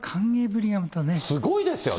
すごいですよね。